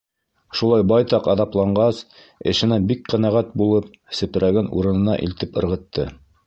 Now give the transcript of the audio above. Шулай байтаҡ аҙапланғас, эшенән бик ҡәнәғәт булып, сепрәген урынына илтеп ырғытты.